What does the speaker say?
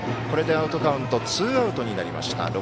これでアウトカウントツーアウトになりました。